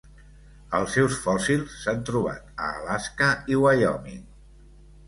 Els seus fòssils s'han trobat a Alaska i Wyoming.